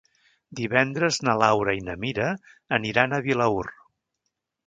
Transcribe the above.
Divendres na Laura i na Mira aniran a Vilaür.